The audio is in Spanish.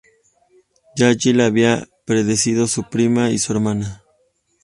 Ya allí la había precedido su prima y su hermana.